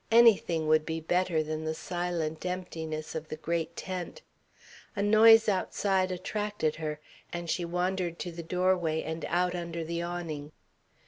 Anything would be better than the silent emptiness of the great tent. A noise outside attracted her, and she wandered to the doorway and out under the awning.